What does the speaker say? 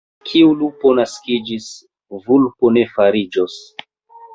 Kiu lupo naskiĝis, vulpo ne fariĝos.